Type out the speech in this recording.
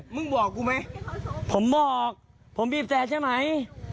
มึงบอกกูไหมผมบอกผมบีบแต่ใช่ไหม